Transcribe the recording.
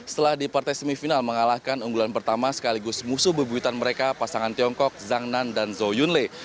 setelah di partai semifinal mengalahkan unggulan pertama sekaligus musuh bebuyutan mereka pasangan tiongkok chang nan dan chao yun lei